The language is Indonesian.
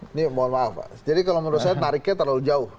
ini mohon maaf pak jadi kalau menurut saya tariknya terlalu jauh